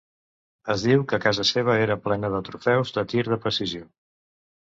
Es diu que casa seva era plena de trofeus de tir de precisió.